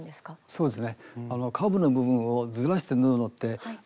そうです。